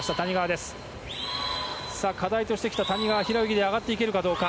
課題としてきた谷川、平泳ぎで上がっていけるかどうか。